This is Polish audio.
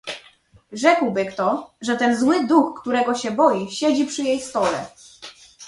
"Rzekłby kto, że ten zły duch, którego się boi, siedzi przy jej stole."